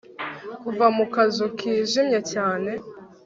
Kuva mu kazu kijimye cyane